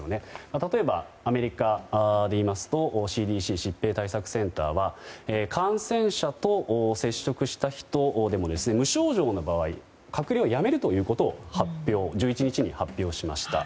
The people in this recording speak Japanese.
例えばアメリカでいいますとＣＤＣ・疾病対策センターは感染者と接触した人でも無症状の場合は隔離をやめるということを１１日に発表しました。